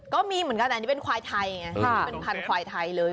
ก็มีเหมือนกันอันนี้เป็นควายไทยเป็นพันธุ์ควายไทยเลย